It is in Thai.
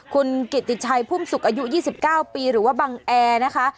คุณกิติชัยพุ่มสุขอายุ๒๙ปีหรือว่าบังแอร์นะคะ